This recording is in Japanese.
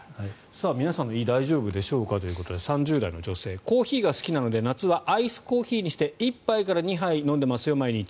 皆さんの胃は大丈夫でしょうかということで３０代女性コーヒーが好きなので夏はアイスコーヒーにして１杯から２杯毎日飲んでますよ。